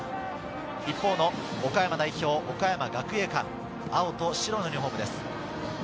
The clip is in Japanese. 一方の岡山代表・岡山学芸館、青と白のユニホームです。